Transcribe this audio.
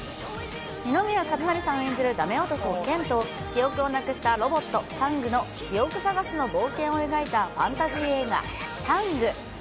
二宮和也さん演じるだめ男、けんと記憶をなくしたロボット、タングの記憶探しの冒険を描いたファンタジー映画、タング。